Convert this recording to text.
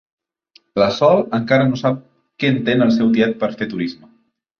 La Sol encara no sap què entén el seu tiet per fer turisme.